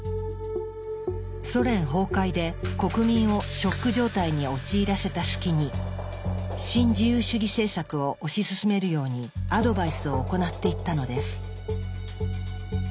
ソ連崩壊で国民をショック状態に陥らせた隙に新自由主義政策を推し進めるようにアドバイスを行っていったのです。